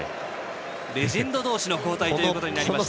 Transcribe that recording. レジェンド同士の交代となりました。